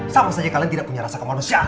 sama saja kalian tidak punya rasa kemanusiaan